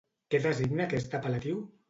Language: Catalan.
Què designa aquest apel·latiu?